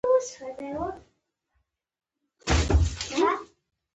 پر یوې اوږدې چوکۍ باندې کښېناستو او ما ورته وکتل.